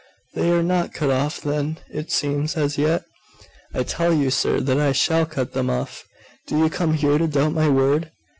'They are not cut off, then, it seems, as yet?' 'I tell you, sir, that I shall cut them off! Do you come here to doubt my word?